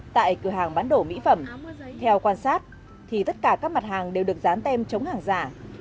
tại cửa hàng bán đồ mỹ phẩm theo quan sát thì tất cả các mặt hàng đều được dán tem chống hàng giả